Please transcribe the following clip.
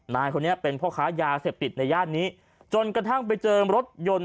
นายคนนี้เป็นพ่อค้ายาเสพติดในย่านนี้จนกระทั่งไปเจอรถยนต์